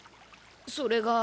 それが。